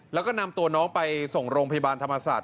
แล้วก็นำตัวน้องไปส่งโรงพยาบาลธรรมศาสต